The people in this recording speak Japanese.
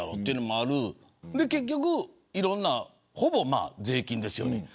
結局、いろんなほぼ税金ですよね。